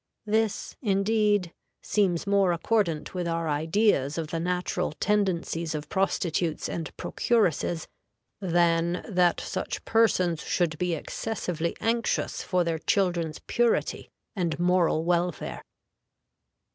This, indeed, seems more accordant with our ideas of the natural tendencies of prostitutes and procuresses, than that such persons should be excessively anxious for their children's purity and moral welfare.